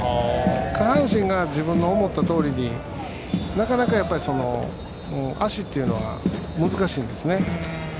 下半身が自分の思ったとおりになかなか足っていうのは難しいんですね。